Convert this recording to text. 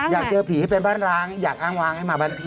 อยากเจอผีให้เป็นบ้านร้างอยากอ้างวางให้มาบ้านผี